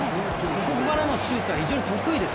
ここからのシュートは異常に得意です